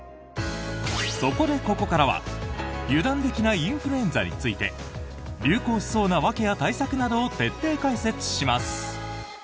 そこで、ここからは油断できないインフルエンザについて流行しそうな訳や対策などを徹底解説します。